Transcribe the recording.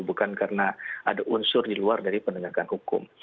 bukan karena ada unsur di luar dari penegakan hukum